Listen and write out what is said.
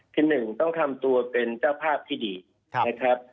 คือหนึ่งต้องทำตัวเป็นเจ้าภาพที่ดีนะครับ